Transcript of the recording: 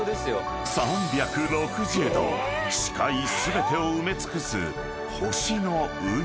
［３６０度視界全てを埋め尽くす星の海］